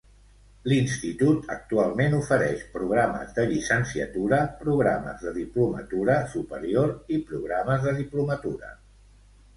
L'institut actualment ofereix programes de llicenciatura, programes de diplomatura superior i programes de diplomatura.